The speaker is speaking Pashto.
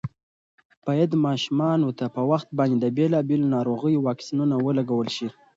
باید ماشومانو ته په وخت باندې د بېلابېلو ناروغیو واکسینونه ولګول شي.